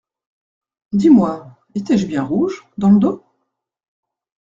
Dis-moi… étais-je bien rouge… dans le dos ?